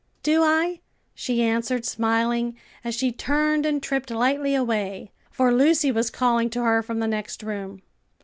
"Do I?" she answered smiling, as she turned and tripped lightly away; for Lucy was calling to her from the next room.